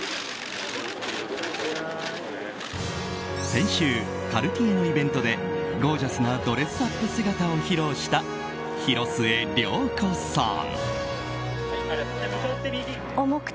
先週、カルティエのイベントでゴージャスなドレスアップ姿を披露した、広末涼子さん。